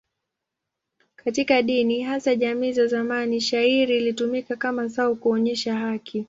Katika dini, hasa jamii za zamani, shayiri ilitumika kama zao kuonyesha haki.